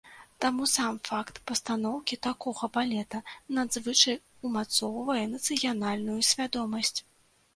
Таму сам факт пастаноўкі такога балета надзвычай умацоўвае нацыянальную свядомасць.